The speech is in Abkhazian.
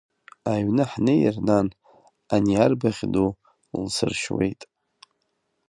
Аҩны ҳнеир, нан, ани арбаӷь ду лсыршьуеит.